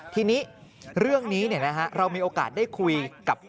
ทีนี้เรื่องนี้เรามีโอกาสได้คุยกับ